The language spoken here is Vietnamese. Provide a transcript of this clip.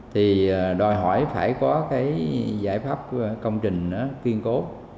thì đòi hỏi phải có cái giải pháp công trình kiên cố